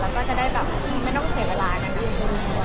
แล้วก็จะได้แบบอื้มไม่ต้องเสียเวลาเลยค่ะ